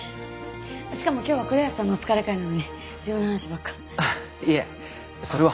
しかも今日は栗橋さんのお疲れ会なのに自分の話ばっか。あっいえそれは。